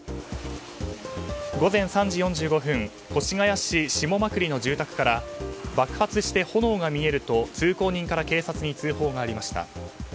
午前３時４５分越谷市下間久里の住宅から爆発して炎が見えると通行人から警察に通報がありました。